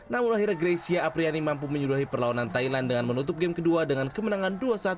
namun lahirah grecia apriyani mampu menyudahi perlawanan thailand dengan menutup game kedua dengan kemenangan dua satu delapan belas